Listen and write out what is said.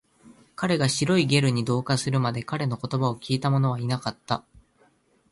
彼が白いゲルに同化するまで、彼の言葉を聞いたものはいなかった